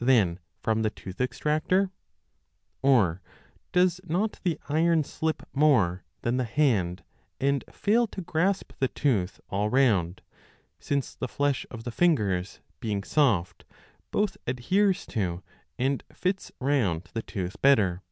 than from the tooth ex 3 tractor ? or does not the iron slip more than the hand and fail to grasp the tooth all round, since the flesh of the fingers being soft both ad FlG I0 heres to and fits round the tooth better